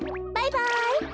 バイバイ！